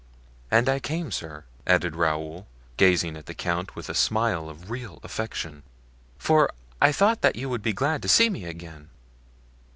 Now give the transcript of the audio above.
And I came, sir," added Raoul, gazing at the count with a smile of real affection, "for I thought you would be glad to see me again."